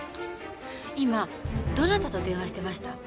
今どなたと電話してました？